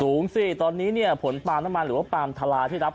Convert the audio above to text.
สูงสิตอนนี้เนี่ยผลปัมน้ำมันหรือว่าผลปัมทารา